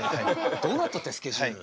どうなっとってスケジュール。